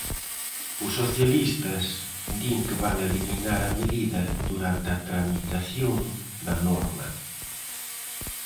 Os socialistas din que van eliminar a medida durante a tramitación da norma.